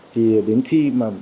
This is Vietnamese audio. thì đến khi mà